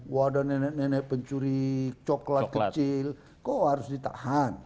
wadah nenek nenek pencuri coklat kecil kok harus ditahan